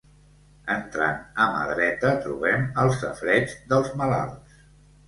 Entrant a mà dreta trobem el safareig dels malalts.